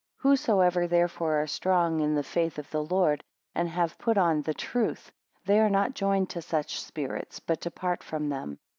7 Whosoever therefore are strong in the faith of the Lord, and have put on the truth; they are not joined to such spirits, but depart from them.